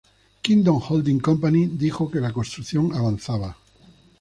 Kingdom Holding Company dijo que la construcción avanzaba.